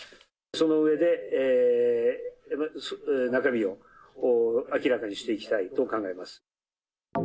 その上で中身を明らかにしていきたいと考えます。